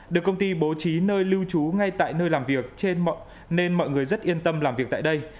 được công ty bố trí nơi lưu trú ngay tại nơi làm việc trên nên mọi người rất yên tâm làm việc tại đây